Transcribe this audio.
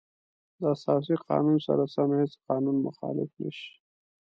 د اساسي قانون سره سم هیڅ قانون مخالف نشي.